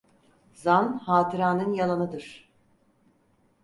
Zan, hatıranın yalanıdır.